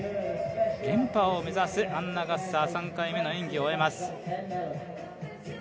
連覇を目指すアンナ・ガッサー、３回目の演技を終えます。